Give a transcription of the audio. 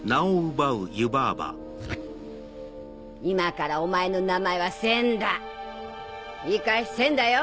今からお前の名前は千だ。